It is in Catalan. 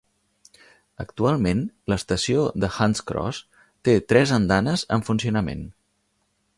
Actualment, l'estació de Hunts Cross té tres andanes en funcionament.